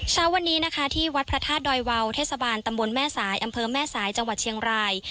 เช้าวันนี้นะคะที่วัดพระธาตุดอยวาวเทศบาลตำบลแม่สายอำเภอแม่สายจังหวัดเชียงราย